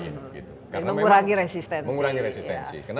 karena memang mengurangi resistensi